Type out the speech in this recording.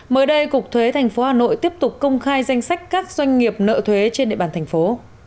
mới đây cục thuế thành phố hà nội tiếp tục công khai danh sách các doanh nghiệp nợ thuế trên địa bàn thành phố